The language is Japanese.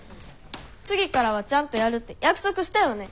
次からはちゃんとやるって約束したよね。